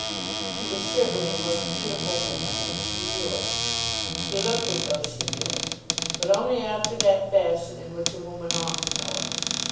She was certainly a most beautiful woman, and she knew it. She looked as though she knew it, but only after that fashion in which a woman ought to know it.